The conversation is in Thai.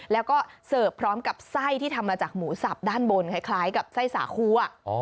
แล้วก็เสิร์ฟพร้อมกับไส้ที่ทำมาจากหมูสับด้านบนคล้ายกับไส้สาครัว